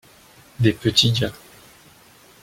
des petits gars.